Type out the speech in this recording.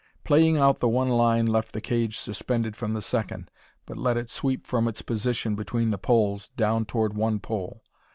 Paying out the one line left the cage suspended from the second, but let it sweep from its position between the poles, down toward one pole.